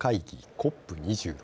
ＣＯＰ２６。